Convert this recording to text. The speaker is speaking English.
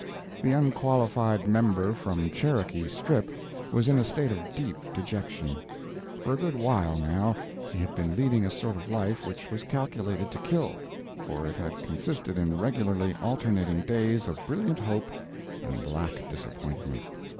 The Unqualified Member from Cherokee Strip was in a state of deep dejection. For a good while, now, he had been leading a sort of life which was calculated to kill; for it had consisted in regularly alternating days of brilliant hope and black disappointment.